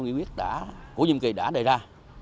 nghị quyết của nhiệm kỳ đã đề ra